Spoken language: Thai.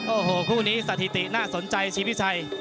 โอ้โหคู่นี้สถิติน่าสนใจซีพิชัย